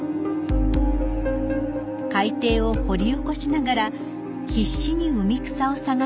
海底を掘り起こしながら必死に海草を探すマナティー。